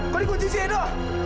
kau dikunci si edo